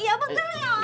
ih apa geli